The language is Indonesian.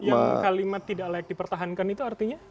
yang kalimat tidak layak dipertahankan itu artinya